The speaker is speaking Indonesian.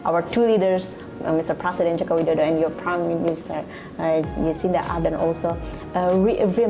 dalam perkembangan tersebut indonesia juga memiliki komitmen untuk meningkatkan